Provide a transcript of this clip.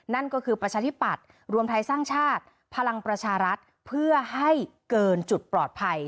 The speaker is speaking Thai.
นั่นก็คือประชาธิปัตย์รวมไทยสร้างชาติพลังประชารัฐเพื่อให้เกินจุดปลอดภัย